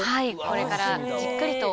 これからじっくりと。